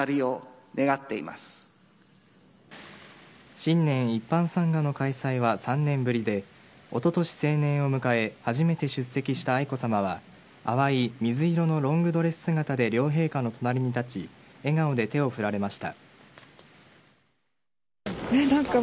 新年一般参賀の開催は３年ぶりでおととし成年を迎え初めて出席した愛子さまは淡い水色のロングドレス姿で両陛下の隣に立ち笑顔で手を振られました。